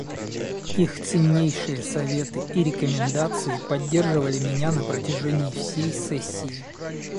Их ценнейшие советы и рекомендации поддерживали меня на протяжении всей сессии.